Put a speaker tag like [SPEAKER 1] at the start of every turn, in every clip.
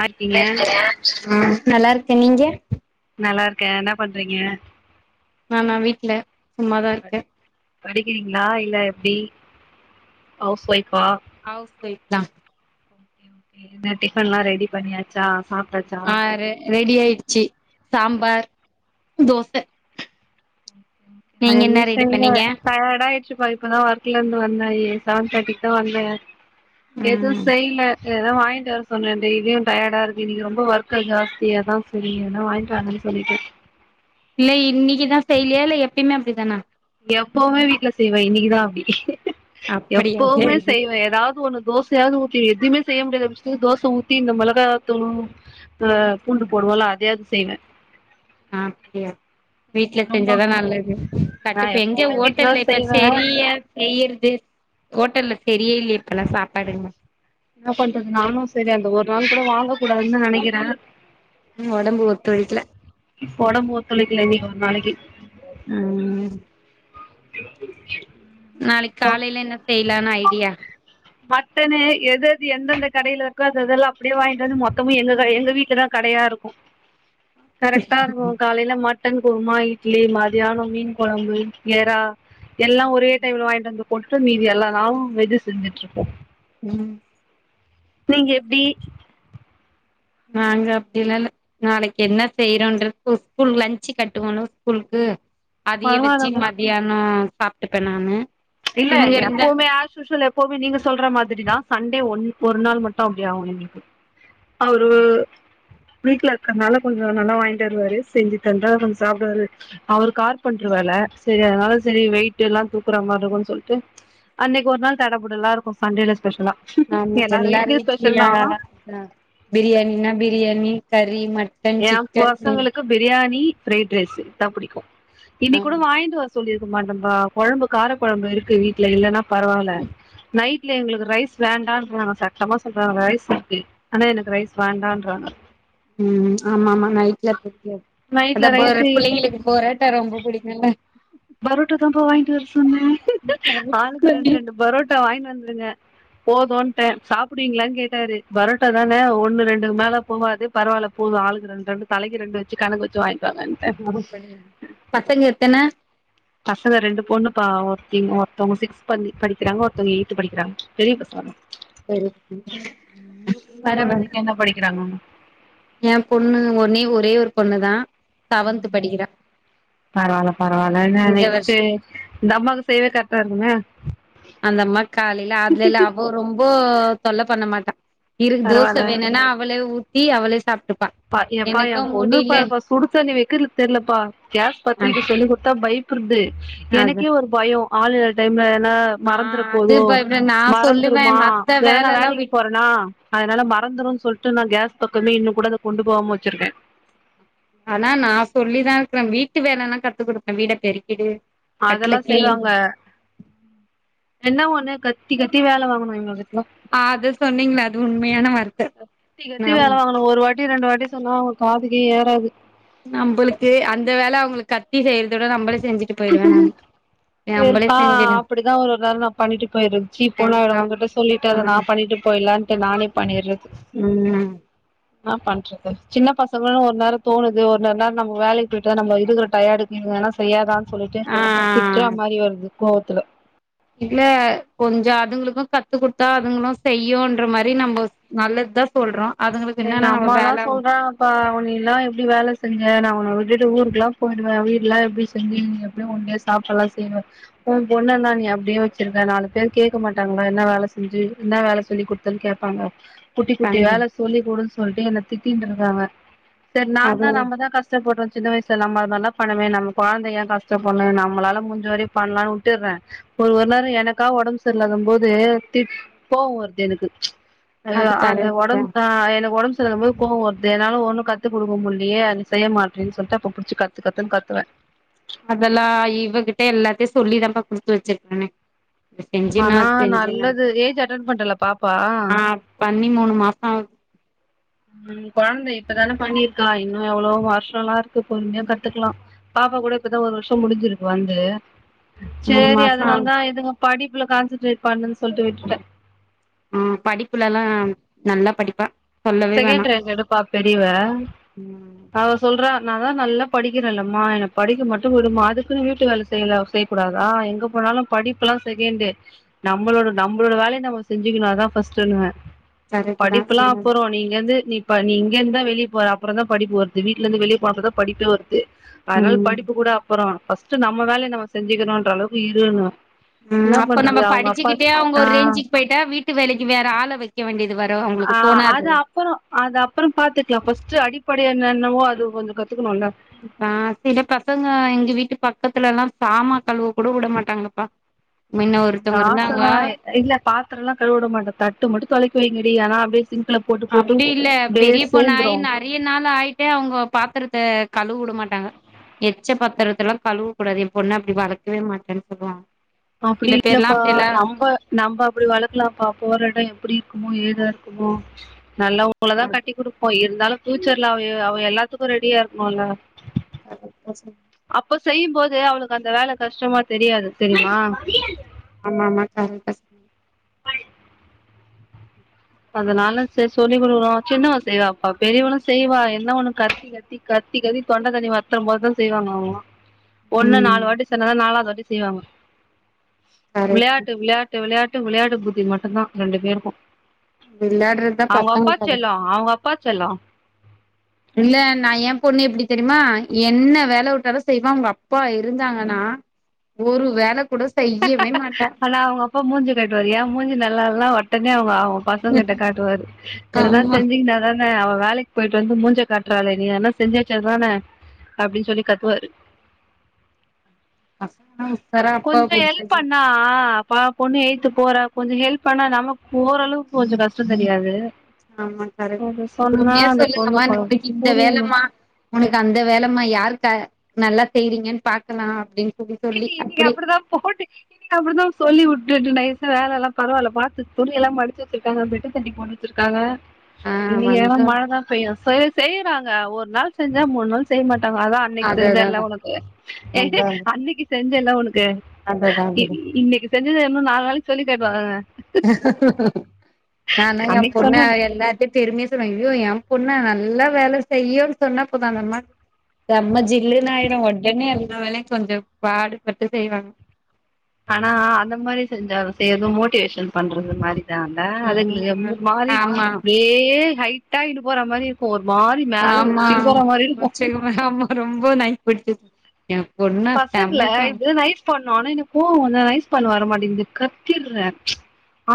[SPEAKER 1] நல்லா இருக்கீங்க
[SPEAKER 2] நல்லா இருக்கே நீங்க
[SPEAKER 1] நல்லா இருக்கே என்ன பண்றீங்க
[SPEAKER 2] நானா வீட்டுல சும்மாதா
[SPEAKER 1] ப-
[SPEAKER 2] இருக்கே
[SPEAKER 1] படிக்கிறீங்களா இல்ல எப்டி ஹவுஸ் ஒய்ஃபா
[SPEAKER 2] ஹவுஸ் ஒய்ஃப் தா
[SPEAKER 1] என்ன டிஃபன்ல்லா ரெடி பண்ணியாச்சா சா சாப்ட்டாச்சா
[SPEAKER 2] ஆ ரெடி ஆயிடுச்சு சாம்பார் தோச
[SPEAKER 1] நா
[SPEAKER 2] நீங்க என்ன
[SPEAKER 1] ஒன்னுமே
[SPEAKER 2] ரெடி
[SPEAKER 1] செய்யல
[SPEAKER 2] பண்ணீங்க
[SPEAKER 1] டயர்ட் ஆயிருச்சு ப்பதா ஒர்க்ல இருந்து வந்தே செவன் தேர்டிக்கு தா வந்தே எதுவு
[SPEAKER 2] ம்
[SPEAKER 1] செய்ல சர் அதா வாங்கிட்டு வர சொன்னே டெய்லியு டயர்டா இருக்கு இன்னைக்கு ரொம்ப ஒர்க்கு ஜாஸ்தி அதா சரி எதனா வாங்கிட்டு வாங்க சொல்லிட்டே
[SPEAKER 2] இல்ல இன்னைக்குதா செய்லயா இல்ல எப்பயுமே அப்டித்தானா
[SPEAKER 1] எப்பவுமே வீட்டுல செய்வே இன்னைக்குதா அப்டி
[SPEAKER 2] அப்படியா
[SPEAKER 1] எப்பவுமே
[SPEAKER 2] சேரி
[SPEAKER 1] செய்வே எதாவது ஒன்னு தோச சயாது ஊத்தி எதுவுமே செய்ய முடியாது அ தோசை ஊத்தி இந்த மிளகாத்தூலு அ பூண்டு போடுவோல்ல அதயாச்சு செய்வே
[SPEAKER 2] அ அப்டியா வீட்ல
[SPEAKER 1] இன்னைக்கு ரொம்ப
[SPEAKER 2] செஞ்சதா நல்லது
[SPEAKER 1] நா
[SPEAKER 2] கட்டுப்ப எங்க
[SPEAKER 1] எப்பவுமே வீட்லதா
[SPEAKER 2] ஹோட்டல்ல இப்ப
[SPEAKER 1] செய்வேன்
[SPEAKER 2] செரியா செய்யற்தே ஹோட்டல்ல செரியே இல்ல இப்பல்லா சாப்பாடுல
[SPEAKER 1] என்ன பண்றது நானு சரி அந்த ஒரு நாள் கூட வாங்க கூடாதுன்னு நெனைக்கிற
[SPEAKER 2] ம் ஒடம்பு ஒத்துழைக்ல
[SPEAKER 1] ஒடம்பு ஒத்துழைக்ல இன்னைக்கு ஒரு நாளைக்கு
[SPEAKER 2] ம்
[SPEAKER 1] [unintelligible]
[SPEAKER 2] நாளைக்கு காலையில என்ன செய்லானு ஐடியா
[SPEAKER 1] மட்டன்னு எது எது எந்தெந்த கடைல இருக்கோ அது இதெல்லா அப்டியே வாங்கிட்டு வந் மொத்தமு எங்க கடை எங்க வீட்லதா கடையா இருக்கும்
[SPEAKER 2] [inaudible]
[SPEAKER 1] கரெக்ட்டா இருக்கோ காலைல மாட் மட்டன் குருமா இட்லி மதியானம் மீன் கொழம்பு எறா எல்லா ஒரே டைம்ல வாய்ங்ட்டு வந்து பொட்டு மீதி எல்லா நாளு வெது செஞ்சுட்ருப்போ
[SPEAKER 2] ம்
[SPEAKER 1] நீங்க எப்டி
[SPEAKER 2] நாங்க அப்டில்லால்லே நாளைக்கு என்ன செய்றோன்றது ஸ்கூல் லன்சு கட்டுவணு ஸ்கூல்க்கு அதையே
[SPEAKER 1] பரவால்ல
[SPEAKER 2] வெச்சு மதியானோ சாப்ட்டுப்ப நானு
[SPEAKER 1] இல்ல
[SPEAKER 2] இவங்க இருந்தா
[SPEAKER 1] எப்பவுமே ஆஷ்யூஸ்வலு இப்போவே நீங்க சொல்ற மாதிரிதா சண்டே ஒன்னு ஒரு நாள் மட்டு அப்டி ஆவோ எங்ளுக்கு அவுரு வீட்ல இருக்கற்னால கொஞ்சோ நல்லா வாய்ங்ட்டு வருவாரு செஞ்சு தந்தா கொஞ்சோ சாப்டுவாரு அவுரு கார்பன்ட்ரு வேல செரி அதனால செரி வெயிட்டு எல்லா தூக்குறா மார் இருக்கும்னு சொல்ட்டு அன்னைக்கு ஒரு நாள் தட புடலா இருக்கும் சண்டேல ஸ்பெஷலா
[SPEAKER 2] ஆமா
[SPEAKER 1] எல்லாரு
[SPEAKER 2] எல்லார்
[SPEAKER 1] வீட்லயு ஸ்பெஷல்
[SPEAKER 2] வீட்லில்லோ
[SPEAKER 1] தா
[SPEAKER 2] அ பிரியாணினா பிரியாணி கறி மட்
[SPEAKER 1] என் பசங்களுக்கு பிரியாணி ஃப்ரைட் ரைஸ் இத்தா புடிக்கோ
[SPEAKER 2] ஆ
[SPEAKER 1] இனிக் கூட வாய்ங்ட் வர் சொல்லியிருக்க மாட்டம்பா கொழம்பு கார கொழம்பு இருக்கு வீட்ல இல்லன்னா பரவால்ல நைட் இல்ல எங்குளுக்கு ரைஸ் வேண்டான்றாங்க சட்டமா சொல்றாங்க ரைஸ் இருக்கு ஆனா எனக்கு ரைஸ் வேண்டான்றாங்க
[SPEAKER 2] ம் ஆமா ஆமா நைட்ல தெரியாது
[SPEAKER 1] நைட்ல
[SPEAKER 2] அதா
[SPEAKER 1] ரைஸ்
[SPEAKER 2] போரட் புள்ளைங்ளுக்கு போரட் டா ரொம்ப புடிக்கும்ல்ல
[SPEAKER 1] பரோட்டா தான்ப்பா வாய்ங்ட்டு வர சொன்ன ஆளுக்கு ரெண்ட் ரெண்ட் டு பரோட்டா வாய்ங்ன் வந்துருங்க போதுன்ட்ட சாப்டுவீங்களான் கேட்டாரு பரோட்டா தான ஒன்னு ரெண்டுக் மேல போவாது பரவால்ல போது ஆளுக்கு ரெண் ரெண்டு தலைக்கு ரெண்டு வச்சு கணக்கு வச்சு வாய்ங்ட்
[SPEAKER 2] பசங்க எத்தன
[SPEAKER 1] பசங்க ரெண்டு பொண்ணுப்பா ஒருத்தி ஒருத்தவங்க சிக்ஸ் படிக் படிக்குறாங்க ஒருத்தவங்க எயித் படிக்குறாங்க பெரிய பசங்கதா உங் உங்க கொழந்தைங்க என்ன படிக்குறாங்க
[SPEAKER 2] என் பொண்ணு ஒன்னே ஒரே ஒரு பொண்ணுதா
[SPEAKER 1] ம் பரவால பரவால ஏன்னா
[SPEAKER 2] இந்த வருஷ
[SPEAKER 1] நெக்ஸ்ட்டே இந்த அம்மாக்கு செய்யவே கரெக்ட்டா இருக்குமே
[SPEAKER 2] அந்த அம்மாக் காலைல அதுலல்லா அவோ ரொம்போ தொல்ல பண்ண மாட்டா இருக் தோச
[SPEAKER 1] பரவால்ல
[SPEAKER 2] வேணுன்னா அவளே ஊத்தி அவளே சாப்ட்டுப்பா
[SPEAKER 1] பா ஏப்பா
[SPEAKER 2] எனக்கு
[SPEAKER 1] என் பொண்ணு
[SPEAKER 2] முடில
[SPEAKER 1] பாருப்பா சுடு தண்ணி வெக்கர்ல தெர்லப்பா கேஸ் பத்த
[SPEAKER 2] ஆ
[SPEAKER 1] வெக்க சொல்லி குத்தா பைப் ருது
[SPEAKER 2] அது
[SPEAKER 1] எனக்கே ஒரு பயோ ஆளுல்ல டைம்ல ஏன்னா
[SPEAKER 2] ஆ
[SPEAKER 1] மறந்துற
[SPEAKER 2] அது
[SPEAKER 1] போதோ
[SPEAKER 2] பயப்பட நா சொல்லுவே
[SPEAKER 1] மறந்துருமா
[SPEAKER 2] மத்த
[SPEAKER 1] ஏன்னா நா
[SPEAKER 2] வேலல்லா
[SPEAKER 1] வேலைக்கு
[SPEAKER 2] விட்
[SPEAKER 1] போற னா அதனால மறந்துரும் சொல்ட்டு நா கேஸ் பக்கமே இன்னு கூட அத கொண்டு போவாம் வச்சிருக்க
[SPEAKER 2] ஆனா நா சொல்லிதா இருக்குறே வீட்டு வேலல்லா கத்து குடுப்பே வீட பெருக்கிடு கட்ல
[SPEAKER 1] அதெல்லா
[SPEAKER 2] கிளீன்
[SPEAKER 1] செய்வாங்க
[SPEAKER 2] பண்
[SPEAKER 1] என்ன ஒண்ணு கத்தி கத்தி வேல வாங்கணு இவுங்க கிட்
[SPEAKER 2] அது சொன்னீங்ள அது உண்மையான வார்த்த
[SPEAKER 1] கத்தி
[SPEAKER 2] நா
[SPEAKER 1] கத்தி வேல வாங்கணு ஒரு வாட்டி ரெண்டு வாட்டி சொன்னா அவுங்க காதுக்கே ஏறாது
[SPEAKER 2] நம்பளுக்கு அந்த வேல அவுங்களுக் கத்தி செய்யறதோட நம்பளே செஞ்சுட்டு போயிடுவே நானு நம்பளே
[SPEAKER 1] போயிருப்பா
[SPEAKER 2] செஞ்சிரு
[SPEAKER 1] அப்டிதா ஒரு நாள் நா பண்ணிட்டு போயிறது சீ போனு ஆயிடு உங்கள்ட்ட ஸ் சொல்லிட்டு
[SPEAKER 2] ஆ
[SPEAKER 1] அத நா பண்ணிட்டு போய்லான்ட்டு நானே பண்ணிட்றது
[SPEAKER 2] ம்
[SPEAKER 1] என்ன பண்றது சின்ன பசங்கனு ஒரு நேர தோனுது ஒரு நர நேர நம்ப வேலைக்கு போயிட்டா நம்ப இருக்குற டயர்டு இங்க வேனா செய்யாதான்னு சொல்லிட்டு
[SPEAKER 2] ஆ
[SPEAKER 1] திட்ற மாரி வருது கோவத்துல
[SPEAKER 2] இல்ல கொஞ்சோ அதுங்களுக்கு கத்து குடுத்தா அதுங்களு செய்யுன்ற மாரி நம்போ நல்லது தா சொல்றோ அதுங்களுக்கு என்னன்னா நம்ப வேல
[SPEAKER 1] பா அவனில்லா எப்டி வேல செஞ்ச நா உன்ன விட்டுட்டு ஊருக்குல்லா போயிடுவே வீடுலா எப்டி செஞ்ச நீ எப்டி ஒன்டியா ஸ் சாப்பாட்லா செய்னு உ பொண்ண நா நீ எப்டி வச்சிருக்க நாலு பேர் கேக்க மாட்டாங்களா என்ன வேல செஞ்சு என்ன வேல சொல்லி கொடு தன்னு கேப்பாங்க குட்டி குட்டி
[SPEAKER 2] தங்கி
[SPEAKER 1] வேல சொல்லி குடுன் சொல்லிட்டு என்ன திட்டின்ட்டு இருக்காங்க சேரி நா
[SPEAKER 2] அது
[SPEAKER 1] தா நம்பதா கஷ் கஷ்டப்பட்றோ சின்ன வயசுலலாம நல்லா பண்ணமே நம்ம கொழந்தைங்க கஷ்டப்பண்ணு நம்மளால முஞ்ச வரயு பண்ணலானு வுட்டுறே ஒரு ஒரு நேர எனக்கா ஒடம்பு சரி இல்லாத போது திட் கோப வர்து எனக்கு அ
[SPEAKER 2] அது
[SPEAKER 1] அந்த
[SPEAKER 2] கரெக்ட்டு தா
[SPEAKER 1] ஒடம் ஆ எனக்கு ஒடம்பு சரி இல்லாம்போது கோவ வருது என்னால ஒன்னு கத்து குடுக்க முடிலயே அது செய்ய மாட்றினு சொல்லிட்டு அப்ப புடிச்சு க கத்து கத்துன் கத்துவே
[SPEAKER 2] அதெல்லா இவகிட்ட எல்லாத்தையு சொல்லி தான்பா குடுத்து வச்சிருக்கேனே
[SPEAKER 1] ஆனா நல்லது ஏஜ் அட்டன் பண்டாலா பாப்பா
[SPEAKER 2] ஆ பண்ணி மூணு மாச ஆவுது
[SPEAKER 1] ம் கொழந்த இப்பதான பண்ணிருக்கா இன்னு எவ்ளோ வருஷோல்லா இருக்கு பொறுமையா கத்துக்கலா பாப்பா கூட இப்பதா ஒரு வருஷோ முடிஞ்சிருக்கு வந்து
[SPEAKER 2] மூணு
[SPEAKER 1] சேரி
[SPEAKER 2] மாசோ
[SPEAKER 1] அதுனால தா எதுவு படிப்புல கான்சன்ட்ரேட் பண்ணுன்னு சொல்ட்டு விட்டுட்டே
[SPEAKER 2] ம் படிப்புலல்லா நல்லா படிப்பா சொல்லவே வேணா
[SPEAKER 1] செகண்ட் ரேங்க் எடுப்பா பெரியவ
[SPEAKER 2] ம்
[SPEAKER 1] அவ சொல்றா நா தா நல்லா படிக்கிறேலம்மா என படிக்க மட்டு விடுமா அதுக்குன்னு வீட்டு வேல செய்யல செ கூடாதா எங்க போனாலு படிப்புல்லா செகண்டு நம்மளோட நம்மளோட வேலய நம்ம செஞ்சுக்குனாதா ஃபஸ்டுனுவே
[SPEAKER 2] கரெக்ட்டு தா
[SPEAKER 1] படிப்புல்லா
[SPEAKER 2] சொன்னது
[SPEAKER 1] போ நீ இங்கருந்து நீ ப நீ இங்கிருந் தா வெளிய போற அப்புற தா படிப்பு வருது வீட்ல இருந்து வெளிய போனப்பறோதா படிப்பே வருது அதனால
[SPEAKER 2] ம்
[SPEAKER 1] படிப்பு கூட அப்பறோ ஃபர்ஸ்ட் நம்ம வேலய நம்ம செஞ்சுக்கிறோன்ற அ ளவுக்கு இருனுவே
[SPEAKER 2] ம் அப்ப நம்ப படிச்சுக்கிட்டே அவுங்க
[SPEAKER 1] ஆ
[SPEAKER 2] ஒரு ரேஞ்சு போயிட்டா வீட்டு வேலைக்கு வேற ஆள வைக்க வேண்டியது வரு அவுங்களுக்கு தோணாது
[SPEAKER 1] அப்புற அது அப்புற பாத்துக்கலா ஃபர்ஸ்ட் அடிப்படை என்னென்னவோ அது கொஞ்சோ கத்துக்கணுல
[SPEAKER 2] அ சில பசங்க எங்க வீட்டு பக்கத்துல எல்லா சாமா கழுவ கூட விட மாட்டாங்கப்பா மின்ன ஒருத்தவங்க இருந்தாங்க
[SPEAKER 1] காசதா இல்ல பாத் த்தரல்லா கழுவ விட மாட்டே தட்டு மட்டு தொலக்கி வைங்க டி ஆனா அப்டி சின்க்ல போட்டு போட்டு அப்டியே சேந்துரு
[SPEAKER 2] நிறைய நாள் ஆயிட்டே அவுங்க பாத்திரத்த கழுவ விட மாட்டாங்க எச்ச பத்திரத்த எல்லா கழுவ கூடாது என் பொண்ண அப்டி வளக்கவே மாட்டேன்னு சொல்லுவாங்க
[SPEAKER 1] அப்டி
[SPEAKER 2] சில பேர்லா
[SPEAKER 1] இல்லப்பா
[SPEAKER 2] அப்டி எல்லா
[SPEAKER 1] நம்ப நம்ப அப்டி வளக்கலாம்ப்பா போற எட எப்டி இருக்குமோ ஏதா இருக்குமோ நல்லவங்களதா கட்டி குடுப்போ இருந்தாலு ஃபியூச்சர்ல அவ அவ எல்லாத்துக்கு ரெடியா இருக்ணுல்ல
[SPEAKER 2] பாப்போ [unintelligible]
[SPEAKER 1] அப்ப செய்யுபோது அவளுக்கு அந்த வேல கஷ்டமா தெரியாது தெரிமா
[SPEAKER 2] ஆமா ஆமா கரெக்டு
[SPEAKER 1] அதனால செர் சொல்லி் குடுக்றோ சின்னவ செய்வாப்பா பெரியவளு செய்வா என்னா ஒன்னு கத்தி கத்தி கத்தி கத்தி தொண்ட தண்ணி வத்துரு போதுதா செய்வாங்க அவங்கள்லா ஒன்ன
[SPEAKER 2] ம்
[SPEAKER 1] நாலு வாட்டி சென்னதா நாலாவது வாட்டி செய்வாங்க
[SPEAKER 2] கரெக்ட்
[SPEAKER 1] விளாட்டு விளா விளாட்டு விளாட்டு புத்தி மட்டுதா ரெண்டு பேருக்கு
[SPEAKER 2] விளாட்றது
[SPEAKER 1] அவங்க அப்பா செல்ல அவங்க அப்பா செல்ல
[SPEAKER 2] இல்ல நா ஏன் பொண்ணு எப்டி தெரியுமா என்ன வேல உட்டாலு செய்வா அவங்க அப்பா இருந்தாங்கனா ஒரு வேல கூட செய்யவே மாட்டா
[SPEAKER 1] ஆனா அவங்க அப்ப மூஞ்ச காட்டுவாரு ஏன் மூஞ்சு நல்லா இல்லனா ஒட்டனே அவ ஆவு பசங்க கிட்ட காட்டுவாரு எதனா
[SPEAKER 2] ஆமா
[SPEAKER 1] செஞ்சீங்னா அதானே அவ வேலைக்கு போயிட்டு வந்து மூஞ்ச காட்டுறாளே நீ எதனா செஞ்சுவச்சாதான அப்டின் சொல்லி கத்துவாரு
[SPEAKER 2] அஸ்வினாஸ் சரா அப்ப
[SPEAKER 1] கொஞ்சோ ஹெல்ப் பண்ணா பாவ பொண்ணு எயித்து போற கொஞ்சோ ஹெல்ப் பண்ணா நமக்கு ஓர் அளவுக்கு கொஞ்சோ கஷ்ட தெரியாது
[SPEAKER 2] ஆமா கரெக்ட்
[SPEAKER 1] அத சொன்னா
[SPEAKER 2] பொறுமையா
[SPEAKER 1] அந்த பொண்ணு
[SPEAKER 2] சொல்லுங்கமா
[SPEAKER 1] கொ
[SPEAKER 2] நாளைக்கு இந்த
[SPEAKER 1] புரிய
[SPEAKER 2] வேலமா உனக்கு அந்த வேலைமா யாருக்காக நல்லா செய்றீங்கன் பாக்கலா அப்டின்
[SPEAKER 1] இன்னக்கி அப்டிதா போட்டி அப்டிதா சொல்லி உட்டுட்டு நைசா வேல எல்லா பரவால்ல பாத்து துணி எல்லா மடிச்சு வச்சிருக்காங்க அப்டின்ட்டு பெட்டு துணி போட்ல இருக்காங்க
[SPEAKER 2] ஆ
[SPEAKER 1] இன்னைக்கு ஏன்னா
[SPEAKER 2] வந்து
[SPEAKER 1] மழதா பெய்யு ச செய்றாங்க ஒரு நாள் செஞ்சா மூணு நாள் செய்ய மாட்டாங்க அதா அன்னைக்கு
[SPEAKER 2] அததா
[SPEAKER 1] செஞ்சல்ல உனக்கு
[SPEAKER 2] அதா
[SPEAKER 1] அன்னைக்கு செஞ்சல்ல உனக்கு
[SPEAKER 2] அததா அததா
[SPEAKER 1] இன்னைக்கு செஞ்சத இன்னு நாலு நாளைக்கு சொல்லி காட்டுவாங்கங்க
[SPEAKER 2] நானா ஏன்
[SPEAKER 1] அன்னைக்கு
[SPEAKER 2] பொண்ண
[SPEAKER 1] சொன்ன
[SPEAKER 2] எல்லா பெருமையா சொல்லுவ ஐயோ என் பொண்ணா நல்லா வேல செய்யுன் சொன்னா போது அந்தம்மாக்கு செம்ம ஜில்லுனு ஆயிடு உடனே எல்லாவேலையு கொஞ்சோ பாடுபட்டு செய்வாங்க
[SPEAKER 1] ஆனா அந்த மாரி செஞ்சாலு செய்யறது மோட்டிவேஷன் பண்றது மாரி தான்ந்தா
[SPEAKER 2] ம்
[SPEAKER 1] அதுங்களுக்கு மாரி
[SPEAKER 2] ஆமா
[SPEAKER 1] அப்டியே ஹைட்டாயிட்டே போற மாரி இருக்கு ஒரு மாரி மேல
[SPEAKER 2] ஆமா
[SPEAKER 1] உச்சிக்கு போற மாரி இருக்கு
[SPEAKER 2] உச்சகமா ஆமா ரொம்ப நைன்த் படிச்சது ஏ
[SPEAKER 1] பசங்கள இப்டிதா நைஸ் பண்ணு ஆனா எனக்கு கோவ வந்து நைஸ் பண்ண வர மாட்டேங்குது கத்திட்ற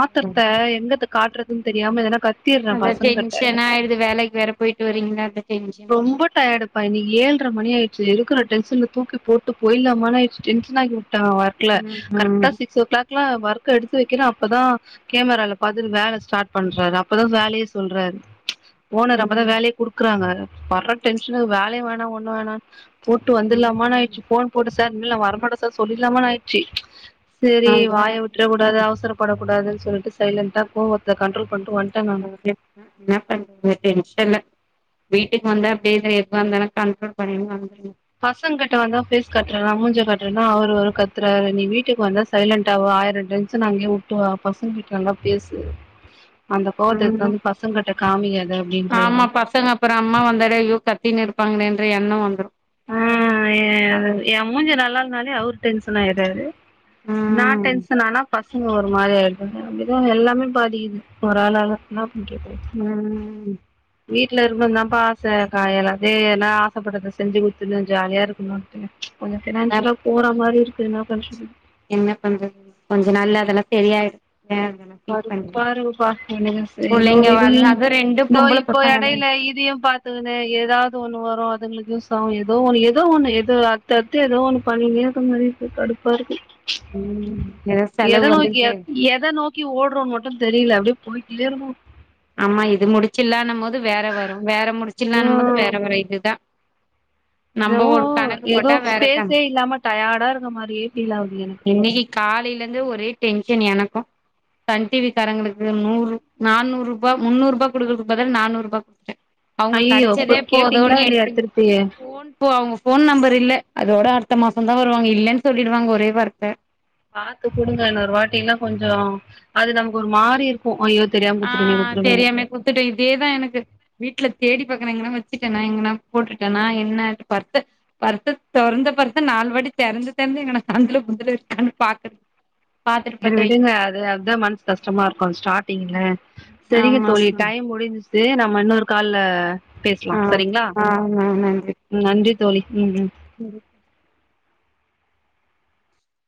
[SPEAKER 1] ஆத்ரத்த
[SPEAKER 2] சவுண்ட்
[SPEAKER 1] எங்க இருந்து காட்டுறதுன் தெரியாம எதனா கத்திடுறேன்
[SPEAKER 2] அதா
[SPEAKER 1] பசங்ககிட்ட
[SPEAKER 2] டென்ஷன் ஆயிடுது வேலைக்கு வேற போய்ட்டு வரீங்களா அந்த டென்ஷன்
[SPEAKER 1] ரொம்ப டயட்ப்பா இனிக் ஏழ்ர மணி ஆயிடுச்சு இருக்கிற டென்சன்ல தூக்கி போட்டு போய்லாமான் ஆய்டுச்சு டென்ஷன் ஆய்கிற டாவாக்ல
[SPEAKER 2] ம்
[SPEAKER 1] கரெக்டா சிக்ஸ் ஓ கிளாக்லா ஒர்க் எடுத்து வைக்குற அப்பதா கேமரால பாத்துட்டு வேலை ஸ்டார்ட் பண்றாரு அப்பதா வேலையே சொல்றாரு ஓனர் அப்பதா வேலையே குடுக்குறாங்க வர்ற டென்ஷனுக்கு வேலையு வேணா ஒன்னு வேணா போட்டு வந்துலாமான் ஆய்ச்சு ஃபோன் போட்டு சார் உள்ள வரமாட்ட சார் சொல்லிட்லாமான் ஆய்ச்சு செரி
[SPEAKER 2] அதா
[SPEAKER 1] வாய விட்டுறக் கூடாது அவசரப்படக் கூடாதுன் சொல்ட்டு சைலண்டா கோவத்த கண்ட்ரோல் பண்ட்டு வந்டங்க
[SPEAKER 2] [unintelligible] வீட்டுக்கு வந்து அப்படியே எதுவா இருந்தாலு கண்ட்டோல் பண்ண [unintelligible]
[SPEAKER 1] பசங்க கிட்ட வந்தா ஃபேஸ் கட்றனா மூஞ்ச கட்றனா அவரு ஒரு கத்துறாரு நீ வீட்டுக்கு வந்தா சைலண்ட்டா வா ஆயிர டென்சன் அங்கேயே விட்டுவா பசங்க கிட்ட நல்லா பேசு அந்த கோவத்த எத்துனு
[SPEAKER 2] ம்
[SPEAKER 1] வந்து பசங்க கிட்ட காமிகாத
[SPEAKER 2] ஆமா
[SPEAKER 1] அப்டின்றாரு
[SPEAKER 2] பசங்க அப்றோ அம்மா வந்தாலே ஐய்யோ கத்தினு இருப்பாங்கலேன்ற எண்ணோ வந்துரு
[SPEAKER 1] ஆ ஏ மூஞ்சி நல்லா இல்லனாலே அவரு டென்ஷன் ஆயிறாது நா
[SPEAKER 2] ம்
[SPEAKER 1] டென்ஷன் ஆனா பஸ் ஒரு மாரி ஆயிறாங்க அப்டிதா எல்லாமே பாதிக்குது ஒரு ஆளாள என்னா பண்றது
[SPEAKER 2] ம்
[SPEAKER 1] வீட்ல இருக்கனுதாப்பா ஆச காயல்ல அதே எல்லா ஆசப்பட்டத செஞ்சு குடுத்துட்டு ஜாலியா இருக்கணுட்டு கொஞ்சோ
[SPEAKER 2] அப்
[SPEAKER 1] பினான்ஷியலா போற மாரி இருக்குது என்ன பண்றது
[SPEAKER 2] என்ன பண்றது கொஞ்ச நாள்ல அதெல்லாம் செரியாயிடு
[SPEAKER 1] பருப்பாரு பா ஏதோ
[SPEAKER 2] புள்ளைங்க
[SPEAKER 1] இது
[SPEAKER 2] வள அது ரெண்டு
[SPEAKER 1] இதோ
[SPEAKER 2] பொம்பள
[SPEAKER 1] இப்போ
[SPEAKER 2] பசங்க தா
[SPEAKER 1] எடையில இதையு ப [unintelligible] ஏதாவது ஒண்ணு வரு அதுங்களுக்கு [unintelligible] ஏதோ ஒண்ணு ஏதோ ஒண்ணு ஏதோ அடுத் து ஏதோ ஒண்ணு பண்ணீகினே இருக்க மாரி இருக்கு கடுப்பா இருக்கு
[SPEAKER 2] ம் ஏதோ
[SPEAKER 1] எத
[SPEAKER 2] செலவு
[SPEAKER 1] நோக்கிய
[SPEAKER 2] வந்துகிட்டே
[SPEAKER 1] எத நோக் க ஓட்றோனு மட்டு தெரில அப்டியே போயிட்டே இருக்கோ
[SPEAKER 2] ஆமா இது முடிச்சலானு போது வேற வரு வேற முடிச்சலானு போது
[SPEAKER 1] ம்
[SPEAKER 2] வேற வரு இதுதா நம்ம
[SPEAKER 1] எனவோ
[SPEAKER 2] ஒரு கணக்கு
[SPEAKER 1] ஏதோ
[SPEAKER 2] போட்டா வேற
[SPEAKER 1] ஸ்பேஸே
[SPEAKER 2] கணக்கு
[SPEAKER 1] இல்லாம டயர்டா இருக்க மாரியே ஃபீல் ஆவுது எனக்கு
[SPEAKER 2] காலிலேருந்தே ஒரே டென்ஷன் எனக்கு சன் டிவி காரங்களுக்கு நூறு நானூறு முன்னூரூபா குடுக்கறகு பதிலா நானூரூபா குடுத்திட்டே அவங்க
[SPEAKER 1] ஐயயோ இப்ப
[SPEAKER 2] கெடச்சதே
[SPEAKER 1] கேட்டீங்களா
[SPEAKER 2] போதுன்னு
[SPEAKER 1] இல்லையா
[SPEAKER 2] எடுத்துக்
[SPEAKER 1] திருப்பி
[SPEAKER 2] ஃபோன் இப்போ அவங்க ஃபோன் நம்பர் இல்ல அதோட அடுத்த மாசந்தா வருவாங்க இல்லன்னு சொல்லிடுவாங்க ஒரே வார்த்த
[SPEAKER 1] பாத்து குடுங்க இன்னொரு வாட்டியில்லா கொஞ்சோ அது நமக்கு ஒரு மாறி இருக் ஐய்யோ தெரிய குத்திட்டமே குத்திட்டமே
[SPEAKER 2] ட்ட இதேதா எனக்கு வீட்ல தேடி பாக்கனு எங்கன்னா வெச்சிட்டேனா எங்கன்னா போட்டுட்டேனா [unintelligible] பர்ஸ்ச தொறந்த பர்ஸ்ச நாலு வாட்டி தெரந்நு தெறந்து எங்கனா சந்தில பொந்துல இருக்கான்னு பாக்குற
[SPEAKER 1] செரி விடுங்க அது அதுதா மனசு கஷ்டமா இருக்கு ஸ்டார்ட்டிங்ல செரிங்க
[SPEAKER 2] ஆமா
[SPEAKER 1] தோழி டைம் முடிஞ்சச்ச [unintelligible] நம்ம இன்னொரு கால்ல பேசலா
[SPEAKER 2] ஆமா
[SPEAKER 1] செரிங்ளா
[SPEAKER 2] ஆ
[SPEAKER 1] நன்றி தோழி ம் ம்
[SPEAKER 2] செரி